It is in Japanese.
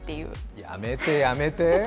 やめて、やめて。